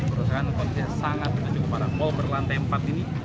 kerusakan yang sangat menunjukkan para pol berlantai empat ini